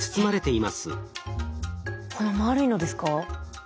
この丸いのですか？